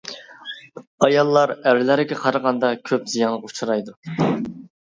ئاياللار ئەرلەرگە قارىغاندا كۆپ زىيانغا ئۇچرايدۇ.